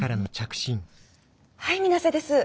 はい皆瀬です。